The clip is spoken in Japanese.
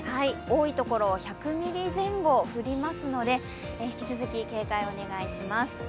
多い所は１００ミリ前後降りますので引き続き警戒をお願いします。